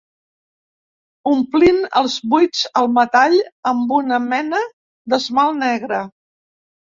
Omplint els buits al metall amb una mena d'esmalt negre.